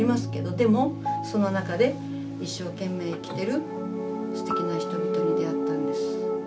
でもその中で一生懸命生きてるすてきな人々に出会ったんです。